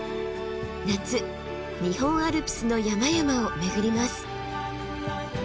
夏日本アルプスの山々を巡ります。